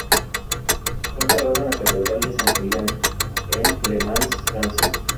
Fue enterrado en la Catedral de San Julián, en Le Mans, Francia.